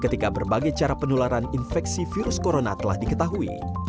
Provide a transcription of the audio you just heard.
ketika berbagai cara penularan infeksi virus corona telah diketahui